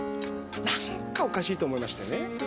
なんかおかしいと思いましてね。